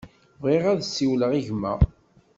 Bɣiɣ ad siwleɣ i gma.